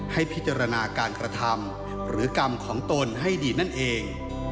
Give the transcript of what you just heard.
ให้พิจารณาการกระทำหรือกรรมของตนให้ดีนั่นเอง